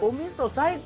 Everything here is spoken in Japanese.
最高！